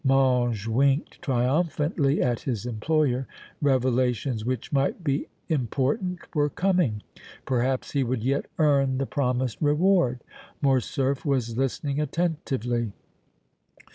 Mange winked triumphantly at his employer. Revelations which might be important were coming. Perhaps he would yet earn the promised reward. Morcerf was listening attentively.